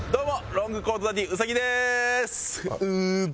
ロングコートダディ兎でーす！